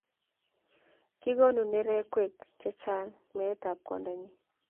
kikonu nerekwek che chang' meetab kwandang'wany